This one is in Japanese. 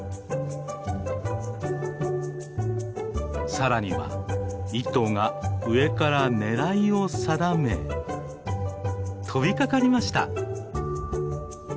さらには一頭が上から狙いを定め飛びかかりました。